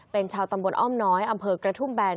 เป็นชาวตำบลอ้อมน้อยอำเภอกระทุ่มแบน